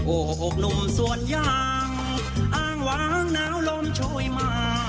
โอ้โหหนุ่มสวนยางอ้างว้างน้าวลมช่วยมา